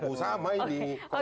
smu sama ini